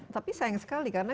tapi sayang sekali karena